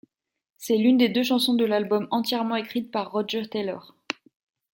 C'est l'une des deux chansons de l'album entièrement écrites par Roger Taylor.